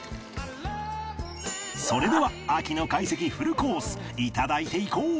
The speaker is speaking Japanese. それでは秋の懐石フルコース頂いていこう！